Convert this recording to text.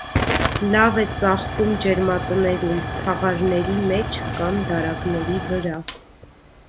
Լավ է ծաղկում ջերմատներում՝ թաղարների մեջ կամ դարակների վրա։